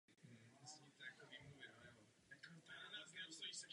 Mladí zemědělci jsou jako ostatní podnikatelé.